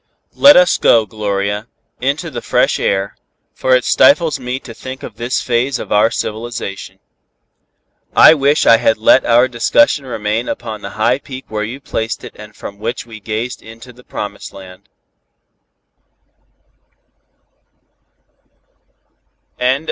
Let us go, Gloria, into the fresh air, for it stifles me to think of this phase of our civilization. I wish I had let our discussion remain upon the high peak where you placed it and from which we gazed into the promised land."